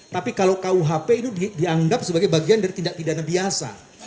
tapi kalau kuhp itu dianggap sebagai bagian dari tindak pidana biasa